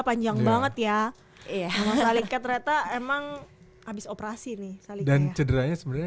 panjang banget ya iya terlalu keterata emang habis operasi nih saling dan cederanya sebenarnya